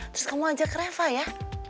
terus kamu ajak refa ya